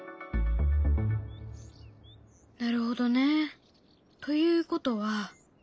なるほどね。ということは。